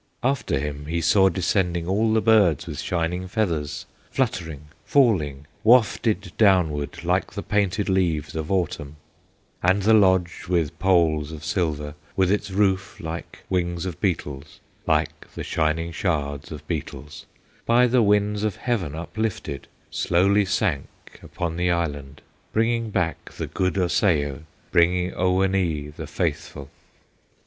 "After him he saw descending All the birds with shining feathers, Fluttering, falling, wafted downward, Like the painted leaves of Autumn; And the lodge with poles of silver, With its roof like wings of beetles, Like the shining shards of beetles, By the winds of heaven uplifted, Slowly sank upon the island, Bringing back the good Osseo, Bringing Oweenee, the faithful.